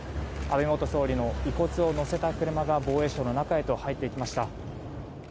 安倍元総理の遺骨を乗せた車が防衛省の中へと入っていきました。